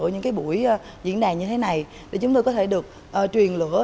những buổi diễn đàn như thế này để chúng tôi có thể được truyền lửa